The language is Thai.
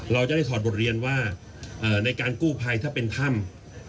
เราจะได้ถอดบทเรียนว่าในการกู้ภัยถ้าเป็นถ้ำ